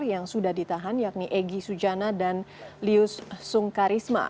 yang sudah ditahan yakni egy sujana dan lius sungkarisma